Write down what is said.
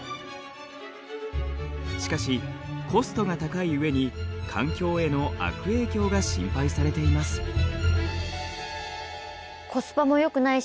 しかしコストが高い上に環境への悪影響が心配されています。